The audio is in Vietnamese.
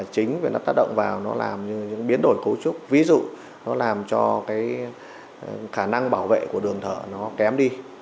cả năng bảo vệ của đường thở nó kém đi